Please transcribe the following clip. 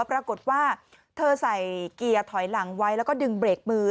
ปรากฏว่าเธอใส่เกียร์ถอยหลังไว้แล้วก็ดึงเบรกมือ